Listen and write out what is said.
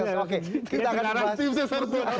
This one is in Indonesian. oke kita akan bahas